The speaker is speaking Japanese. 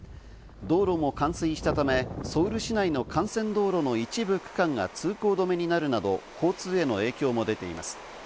道路も冠水したため、ソウル市内の幹線道路の一部区間が通行止めになるなど交通への影響も出ています。